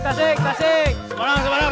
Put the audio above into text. tasik tasik tasik